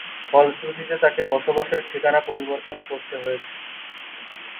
ফলশ্রুতিতে তাকে বসবাসের ঠিকানা পরিবর্তন করতে হয়েছে।